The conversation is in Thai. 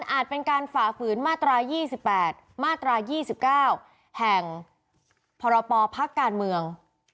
อาจเป็นการฝ่าขึ้นมาตรายี่สิบแปดมาตรายี่สิบเก้าแห่งพรปภัคกาศการเมือง